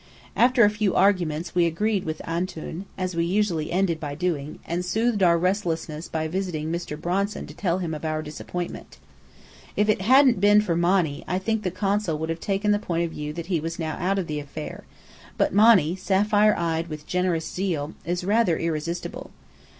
After a few arguments, we agreed with "Antoun," as we usually ended by doing, and soothed our restlessness by visiting Mr. Bronson to tell him of our disappointment. If it hadn't been for Monny, I think the Consul would have taken the point of view that he was now "out" of the affair, but Monny, sapphire eyed with generous zeal, is rather irresistible.